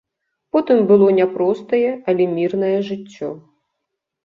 Потым было няпростае, але мірнае жыццё.